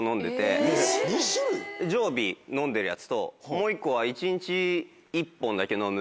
常備飲んでるやつともう１個は一日１本だけ飲む。